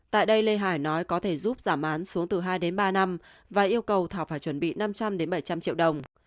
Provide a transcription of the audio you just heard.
tại đây lê hải nói có thể giúp giảm án xuống từ hai đến ba năm và yêu cầu thảo phải chuẩn bị năm trăm linh bảy trăm linh triệu đồng